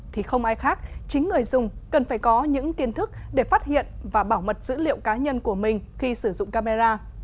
thì không ai khác chính người dùng cần phải có những kiến thức để phát hiện và bảo mật dữ liệu cá nhân của mình khi sử dụng camera